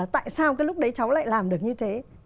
tại sao cái lúc đấy cháu lại làm được như thế